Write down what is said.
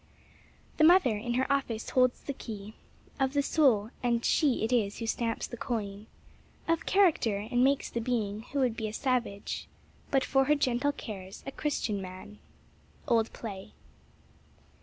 "The mother, in her office, holds the key Of the soul; and she it is who stamps the coin Of character, and makes the being who would be a savage, But for her gentle cares, a Christian man." OLD PLAY.